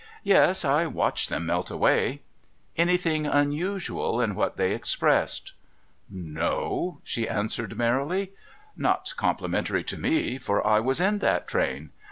.' Yes. I watched them melt away.' ' Anything unusual in what they expressed ?' A PRESENT FOR PHCEBE 435 ' No !' she answered merrily. ' Not complimentary to me, for I was in that train.